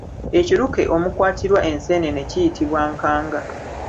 Ekiruke omukwatirwa enseenene kiyitibwa nkanga.